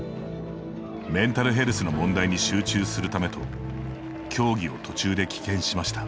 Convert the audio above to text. メンタルヘルスの問題に集中するためと競技を途中で棄権しました。